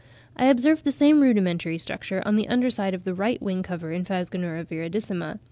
I observed the same rudimentary structure on the under side of the right wing cover in Phasgonura viridissima.